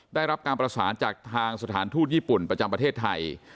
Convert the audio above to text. ได้รับการประสานจากทางสถานทูตญี่ปุ่นประจำประเทศไทย